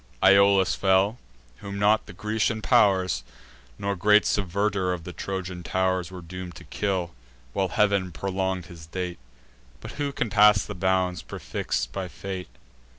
Iolas fell, whom not the Grecian pow'rs, Nor great subverter of the Trojan tow'rs, Were doom'd to kill, while Heav'n prolong'd his date; But who can pass the bounds, prefix'd by fate?